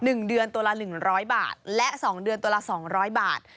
หนึ่งเดือนตัวละหนึ่งร้อยบาทและสองเดือนตัวละสองร้อยบาท